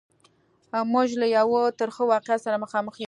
موږ له یوه ترخه واقعیت سره مخامخ یو.